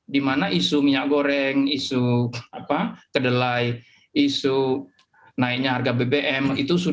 dimana isu minyak goreng isu kedelai isu naiknya harga bbm